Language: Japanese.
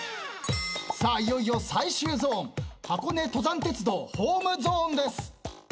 いよいよ最終ゾーン箱根登山鉄道ホームゾーンです。